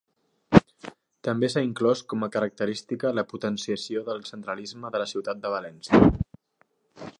També s'ha inclòs com a característica la potenciació del centralisme de la ciutat de València.